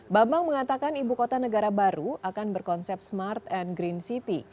bambang mengatakan ibu kota negara baru akan berkonsep smart and green city